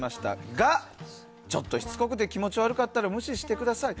が、ちょっとしつこくて気持ち悪かったら無視してください。